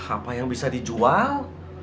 apa yang bisa dijual